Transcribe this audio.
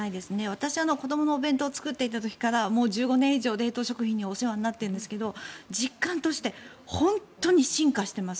私、子どものお弁当を作っていた時から１５年以上冷凍食品にお世話になっているんですけど実感として本当に進化してます。